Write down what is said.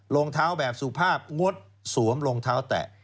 รองเท้าแบบสุภาพงดสวมรองเท้าแตะ